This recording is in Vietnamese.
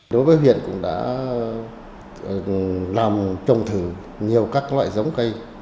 đối với huyện cũng đã làm trồng thử nhiều các loại giống cây